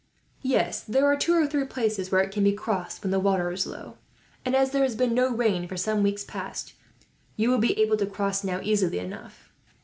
"Yes, there are two or three places where it can be crossed, when the water is low; and as there has been no rain, for some weeks past, you will be able to cross now, easily enough.